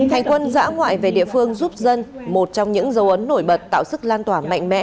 hành quân giã ngoại về địa phương giúp dân một trong những dấu ấn nổi bật tạo sức lan tỏa mạnh mẽ